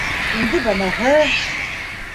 Инде быныһы.